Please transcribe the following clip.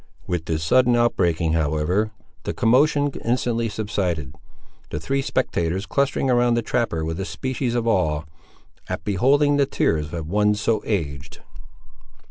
With this sudden outbreaking, however, the commotion instantly subsided; the three spectators clustering around the trapper with a species of awe, at beholding the tears of one so aged.